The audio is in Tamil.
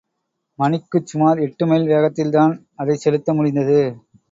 மணிக்குச் சுமார் எட்டு மைல் வேகத்தில்தான் அதைச் செலுத்த முடிந்தது.